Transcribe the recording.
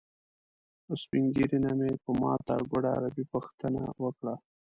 له سپین ږیري نه مې په ماته ګوډه عربي پوښتنه وکړه.